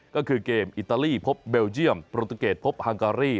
ก็คือเกมอิตาลีพบเบลเยี่ยมโปรตูเกตพบฮังการี